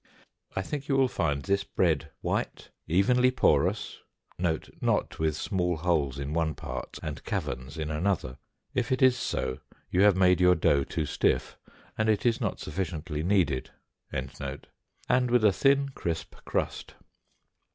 I think you will find this bread white, evenly porous (not with small holes in one part and caverns in another; if it is so you have made your dough too stiff, and it is not sufficiently kneaded), and with a thin, crisp crust.